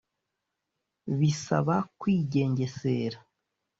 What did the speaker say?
Bisaba kwigengesera